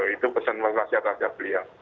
itu pesan wasiat wasiat beliau